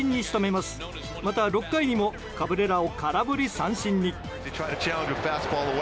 また６回にもカブレラを空振り三振に。